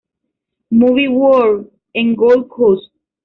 Movie World en Gold Coast.